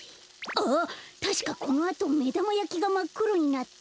あったしかこのあとめだまやきがまっくろになって。